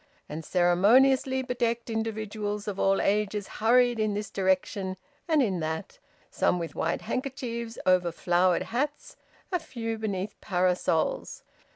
And ceremoniously bedecked individuals of all ages hurried in this direction and in that, some with white handkerchiefs over flowered hats, a few beneath parasols.